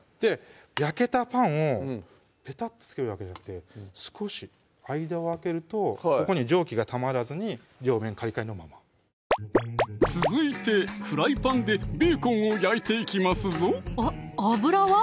焼けたパンをペタッと付けるわけじゃなくて少し間を空けるとここに蒸気がたまらずに両面カリカリのまま続いてフライパンでベーコンを焼いていきますぞ油は？